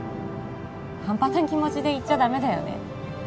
ハンパな気持ちで行っちゃダメだよね